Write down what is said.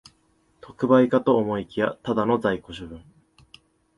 特売かと思いきや、ただの在庫処分